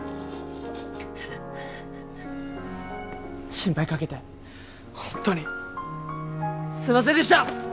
心配かけて本当にすいませんでした。